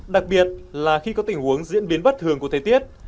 đặc biệt là khi có tình huống diễn biến bất thường của thời tiết